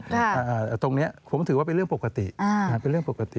แต่ตรงนี้ผมถือว่าเป็นเรื่องปกติเป็นเรื่องปกติ